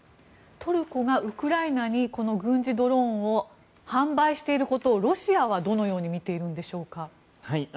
トルコがウクライナに軍事ドローンを販売していることをロシアはどのようにみているんでしょうか。